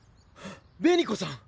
紅子さん！？